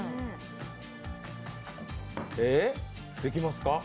できますか？